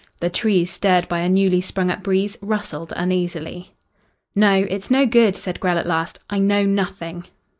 The trees, stirred by a newly sprung up breeze, rustled uneasily. "No, it's no good," said Grell at last. "I know nothing."